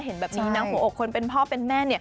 เห็นแบบนี้นะหัวอกคนเป็นพ่อเป็นแม่